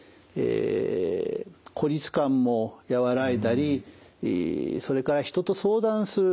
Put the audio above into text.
孤立感も和らいだりそれから人と相談する。